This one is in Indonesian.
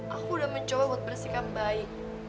aku udah mencoba untuk bersikap baik